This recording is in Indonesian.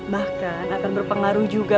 bahkan akan berpengaruh juga